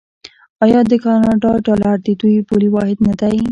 آیا د کاناډا ډالر د دوی پولي واحد نه دی؟